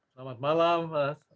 selamat malam mas